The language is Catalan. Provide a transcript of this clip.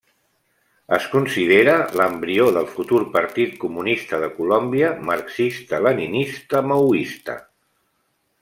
Es considera l'embrió del futur Partit Comunista de Colòmbia marxista leninista maoista.